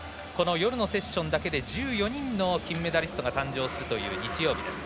夜のセッションだけで１４人の金メダリストが誕生するという日曜日です。